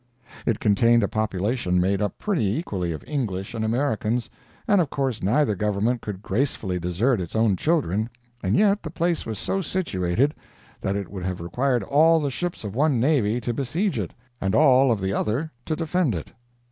It contained a population made up pretty equally of English and Americans, and of course neither Government could gracefully desert its own children—and yet the place was so situated that it would have required all the ships of one navy to besiege it, and all of the other to defend it.